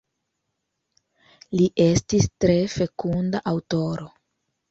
Li estis tre fekunda aŭtoro.